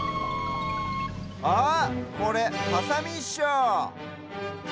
あっこれハサミっしょ！